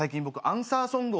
アンサーソング？